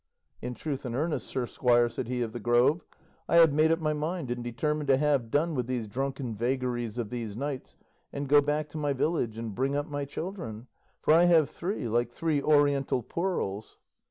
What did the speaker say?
"In truth and earnest, sir squire," said he of the Grove, "I have made up my mind and determined to have done with these drunken vagaries of these knights, and go back to my village, and bring up my children; for I have three, like three Oriental pearls."